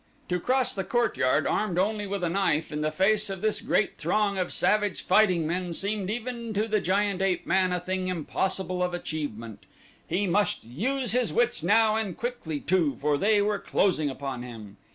To cross the courtyard armed only with a knife, in the face of this great throng of savage fighting men seemed even to the giant ape man a thing impossible of achievement. He must use his wits now and quickly too, for they were closing upon him.